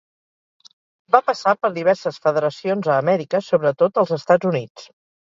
Va passar per diverses federacions a Amèrica, sobretot als Estats Units.